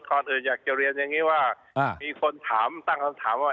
ก่อนอื่นอยากจะเรียนอย่างนี้ว่ามีคนถามตั้งคำถามว่า